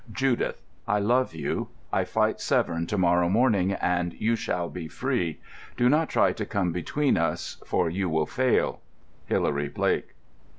"JUDITH,—I love you. I fight Severn to morrow morning, and you shall be free. Do not try to come between us, for you will fail. "HILARY BLAKE."